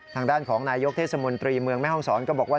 ทางด้านของนายกเทศมนตรีเมืองแม่ห้องศรก็บอกว่า